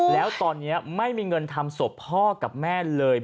แล้วตอนนี้ไม่มีเงินทำศพพ่อกับแม่เลย